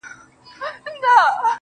اوس له خپل ځان څخه پردى يمه زه.